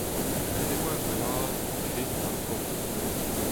Ret e oa gwellaat difennoù ar porzh.